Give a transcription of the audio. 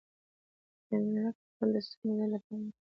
د پنیرک ګل د ستوني د درد لپاره وکاروئ